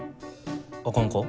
あかんか？